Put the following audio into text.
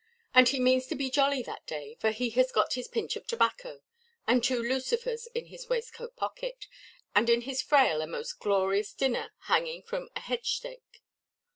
And he means to be jolly that day, for he has got his pinch of tobacco and two lucifers in his waistcoat pocket, and in his frail a most glorious dinner hanging from a hedge–stake.